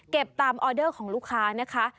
ตามออเดอร์ของลูกค้านะคะ